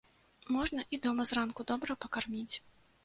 Можна і дома зранку добра пакарміць.